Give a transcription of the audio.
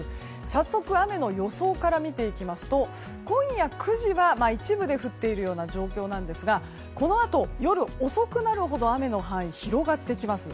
早速、雨の予想から見てみますと今夜９時は一部で降っているような状況なんですがこのあと夜遅くなるほど雨の範囲が広がってきます。